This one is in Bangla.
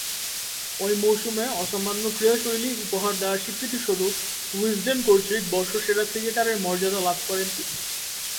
ঐ মৌসুমে অসামান্য ক্রীড়াশৈলী উপহার দেয়ার স্বীকৃতিস্বরূপ উইজডেন কর্তৃক বর্ষসেরা ক্রিকেটারের মর্যাদা লাভ করেন তিনি।